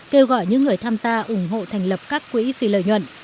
kêu gọi những người tham gia ủng hộ thành lập các quỹ vì lợi nhuận